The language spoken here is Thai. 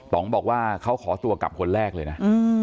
บอกว่าเขาขอตัวกลับคนแรกเลยนะ